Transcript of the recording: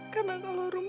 karena kalau rum terima